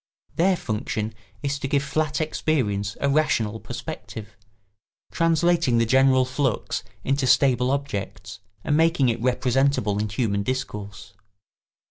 Their function is to give flat experience a rational perspective, translating the general flux into stable objects and making it representable in human discourse.